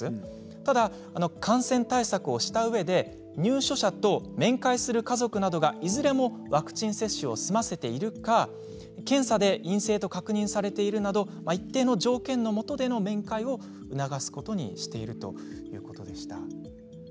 ただ感染対策をしたうえで入所者と面会する家族などがいずれもワクチン接種を済ませているか検査で陰性と確認されているなど一定の条件のもとでの面会を促すことにしているということなんです。